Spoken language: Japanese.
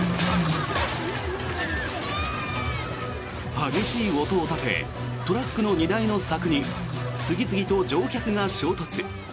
激しい音を立てトラックの荷台の柵に次々と乗客が衝突。